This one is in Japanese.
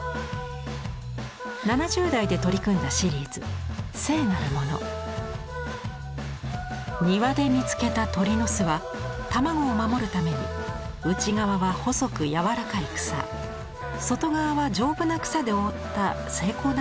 ７０代で取り組んだシリーズ庭で見つけた鳥の巣は卵を守るために内側は細く柔らかい草外側は丈夫な草で覆った精巧な作りでした。